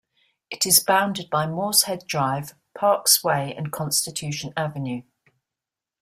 It is bounded by Morshead Drive, Parkes Way and Constitution Avenue.